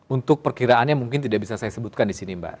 untuk perkiraannya mungkin tidak bisa saya sebutkan di sini mbak